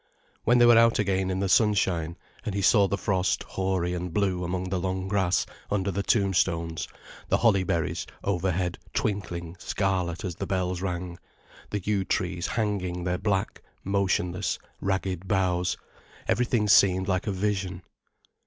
When they were out again in the sunshine, and he saw the frost hoary and blue among the long grass under the tomb stones, the holly berries overhead twinkling scarlet as the bells rang, the yew trees hanging their black, motionless, ragged boughs, everything seemed like a vision.